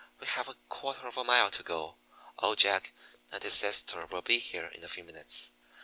"We have a quarter of a mile to go. Old Jack and his sister will be here in a few minutes."